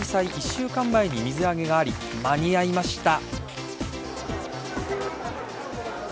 １週間前に水揚げがあり間に合いました。